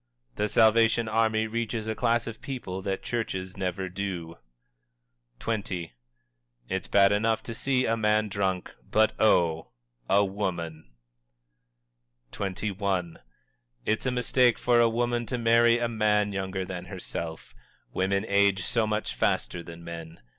"The Salvation Army reaches a class of people that churches never do." XX. "It's bad enough to see a man drunk but, oh! a woman!" XXI. "_It's a mistake for a woman to marry a man younger than herself women age so much faster than men.